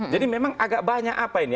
jadi memang agak banyak apa ini